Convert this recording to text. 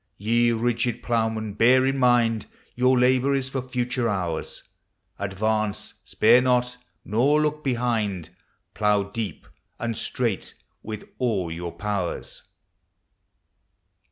Ye rigid Ploughmen ! bear in mind Your labor is for future hours. Advance ! spare not ! nor look behind ! Plough deep and straight with all your pow ers!